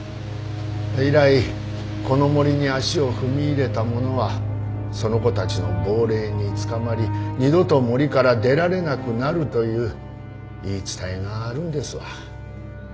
以来この森に足を踏み入れた者はその子たちの亡霊に捕まり二度と森から出られなくなるという言い伝えがあるんですわ。